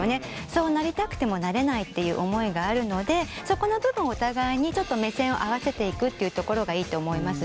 そうなりたくてもなれないっていう思いがあるのでそこの部分をお互いにちょっと目線を合わせていくっていうところがいいと思います。